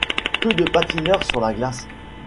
Que de patineurs sur la glace !